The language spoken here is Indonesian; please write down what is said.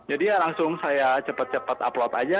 jadi ya langsung saya cepet cepet upload aja